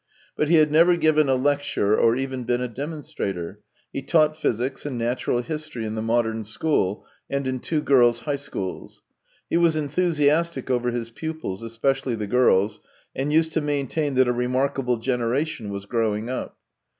But he had never given a lecture or even been a demon strator. He taught physics and natural history in the modern school, and in two girls' high schools. He was enthusiastic over his pupils, especially the girls, and used to maintain that a remarkable generation was growing up.